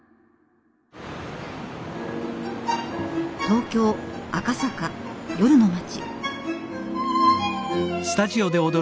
東京・赤坂夜の街。